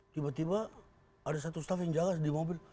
tiba tiba ada satu staff yang jaga di mobil